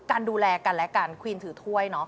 การดูแลกันและกันควีนถือถ้วยเนาะ